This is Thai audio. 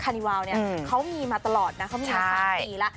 นิวาลเนี่ยเขามีมาตลอดนะเขามีมา๓ปีแล้ว